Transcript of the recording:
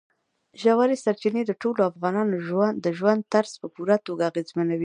ژورې سرچینې د ټولو افغانانو د ژوند طرز په پوره توګه اغېزمنوي.